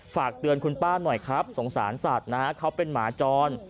ฝากเตือนคุณป้าหน่อยครับสงสารสัตว์นะฮะเขาเป็นหมาจร